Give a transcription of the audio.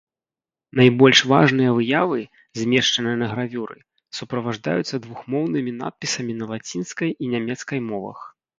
Найбольш важныя выявы, змешчаныя на гравюры, суправаджаюцца двухмоўнымі надпісамі на лацінскай і нямецкай мовах.